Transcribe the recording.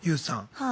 はい。